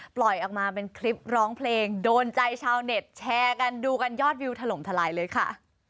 ปล่อยออกมาเป็นคลิปร้องเพลงโดนใจชาวเน็ตแชร์กันดูกันยอดวิวถล่มทลายเลยค่ะ